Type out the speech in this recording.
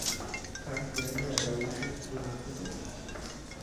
Cassiane Araújo do Nascimento